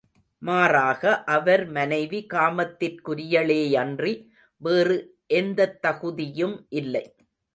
மாறாக அவர் மனைவி காமத்திற்குரியளேயன்றி வேறு எந்தத் தகுதியும் இல்லை.